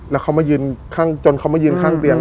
แล้วเขามายืนข้างจนเขามายืนข้างเตียง